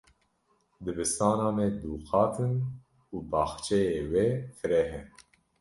Dibistana me du qat in û baxçeyê wê fireh e.